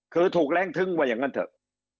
คือถูกแรงทึ้งว่าอย่างนั้นเถอะ